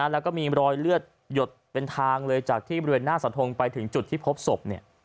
แล้วก็มีรอยเลือดหยดเป็นทางเลยจากที่บริเวณหน้าสะทงไปถึงจุดที่พบศพ